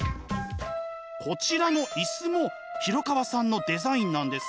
こちらの椅子も廣川さんのデザインなんですって。